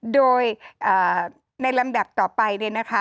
โดยในลำดับต่อไปเนี่ยนะคะ